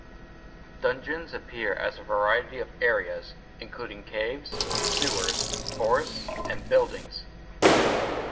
Dungeons appear as a variety of areas, including caves, sewers, forests, and buildings.